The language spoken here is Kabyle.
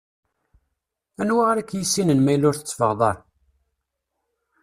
Anwa ara k-yissinen ma yella ur tetteffɣeḍ ara?